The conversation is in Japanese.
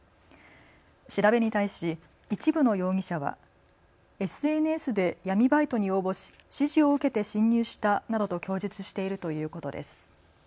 調べに対し一部の容疑者はＳＮＳで闇バイトに応募し指示を受けて侵入したなどと供述しているということです。